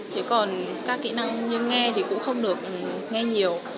thế còn các kỹ năng như nghe thì cũng không được nghe nhiều